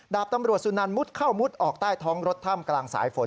ดาบตำรวจสุนันมุดเข้ามุดออกใต้ท้องรถถ้ำกลางสายฝน